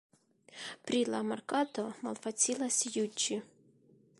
Pri la merkato malfacilas juĝi.